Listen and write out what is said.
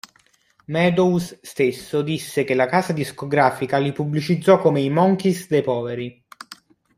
Meadows stesso disse che la casa discografica li pubblicizzò come i "Monkees dei poveri".